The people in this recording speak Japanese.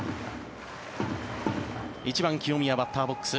１番、清宮、バッターボックス。